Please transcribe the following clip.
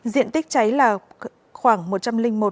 diện tích cháy là khoảng một trăm linh một m hai